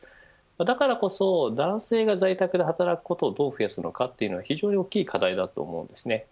だからこそ男性が在宅で働くことをどう増やすのかというのが非常に大きい課題だと思います。